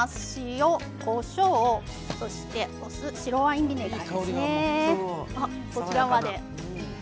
こしょうと、お酢白ワインビネガーですね。